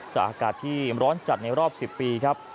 จากอากาศที่ร้อนจัดในรอบ๑๐ปีครับ